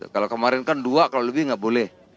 kalau kemarin kan dua kalau lebih nggak boleh